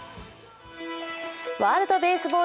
ワールドベースボール